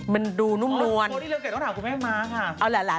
มันดูนุ่มนวลค่ะเอาล่ะหล่า